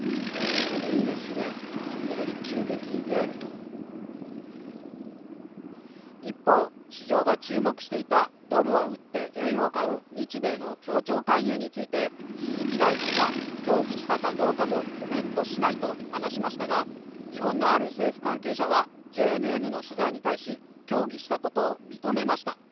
円安がやはり急激であると一方市場が注目していたドルを売って円を買う日米の協調介入について鈴木大臣は協議したかどうかもコメントしないと話しましたが日本のある政府関係者はＪＮＮの取材に対し協議したことを認めました